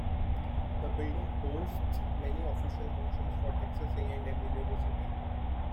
The building hosts many official functions for Texas A and M University.